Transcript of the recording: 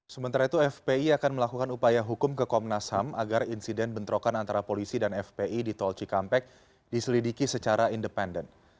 sementara itu fpi akan melakukan upaya hukum ke komnas ham agar insiden bentrokan antara polisi dan fpi di tol cikampek diselidiki secara independen